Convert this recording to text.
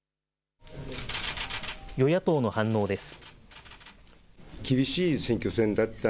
与野党の反応です。